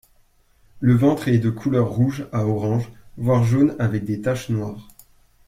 Le ventre est de couleur rouge à orange, voire jaune, avec des tâches noires.